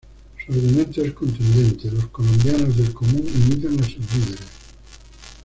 Su argumento es contundente: los colombianos del común imitan a sus líderes.